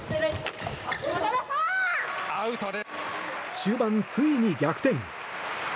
終盤、ついに逆転。